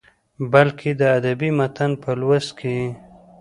بلکې د ادبي متن په لوست کې يې